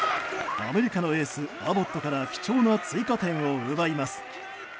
アメリカのエースアボットから貴重な追加点を奪います。